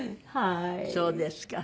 そうですか。